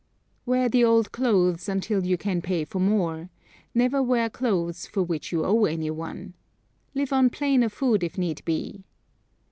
Wear the old clothes until you can pay for more; never wear clothes for which you owe anyone. Live on plainer food if need be.